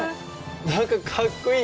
何かかっこいい！